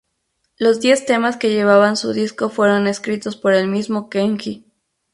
Los diez temas que llevaban su disco fueron escritos por el mismo Kenji.